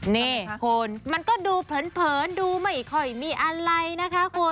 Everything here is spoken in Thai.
นี่คุณมันก็ดูเผินดูไม่ค่อยมีอะไรนะคะคุณ